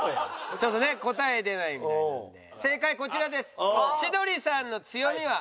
ちょっと答え出ないみたいなんで正解こちらです。